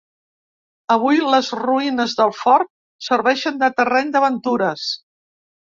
Avui, les ruïnes del fort serveixen de terreny d'aventures.